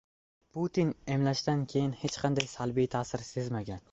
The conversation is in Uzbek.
Putin emlashdan keyin hech qanday salbiy ta’sir sezmagan